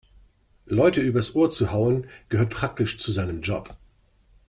Leute übers Ohr zu hauen, gehört praktisch zu seinem Job.